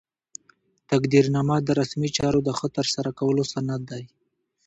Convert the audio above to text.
تقدیرنامه د رسمي چارو د ښه ترسره کولو سند دی.